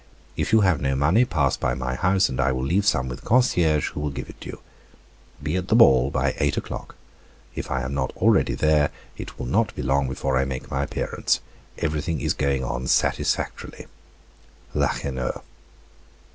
If you have no money pass by my house, and I will leave some with the concierge, who will give it to you. "Be at the ball by eight o'clock. If I am not already there, it will not be long before I make my appearance. Everything is going on satisfactorily. "Lacheneur."